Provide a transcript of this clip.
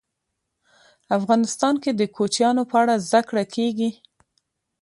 افغانستان کې د کوچیانو په اړه زده کړه کېږي.